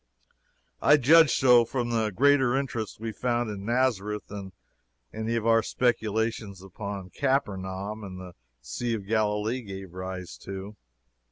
I judge so from the greater interest we found in Nazareth than any of our speculations upon Capernaum and the Sea of Galilee gave rise to.